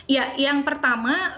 ya yang pertama